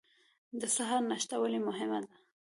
د سهار ناشته ولې مهمه ده؟